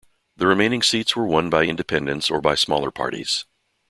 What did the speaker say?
The remaining seats were won by independents or by smaller parties.